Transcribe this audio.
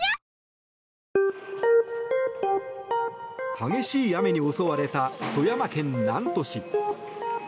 激しい雨に襲われた富山県南砺市。